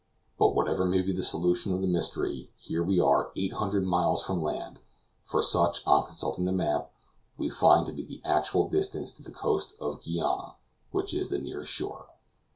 But whatever may be the solution of the mystery, here we are 800 miles from land; for such, on consulting the map, we find to be the actual distance to the coast of Guiana, which is the nearest shore.